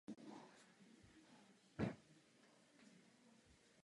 Jeho sesterskou lodí byl křižník "Armando Diaz".